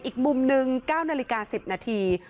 อีกมุมหนึ่ง๙นาฬิกา๑๐นาที